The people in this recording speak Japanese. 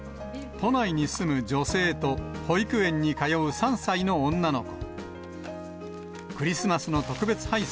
都内に住む女性と、保育園に通う３歳の女の子。